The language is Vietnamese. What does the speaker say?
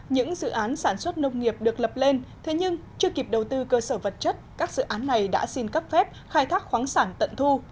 những dự án sản xuất nông nghiệp được lập lên thế nhưng chưa kịp đầu tư cơ sở vật chất các dự án này đã xin cấp phép khai thác khoáng sản tận thu